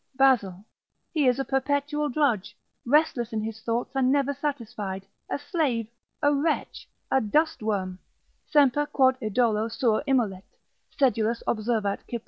Basil. He is a perpetual drudge, restless in his thoughts, and never satisfied, a slave, a wretch, a dust worm, semper quod idolo suo immolet, sedulus observat Cypr.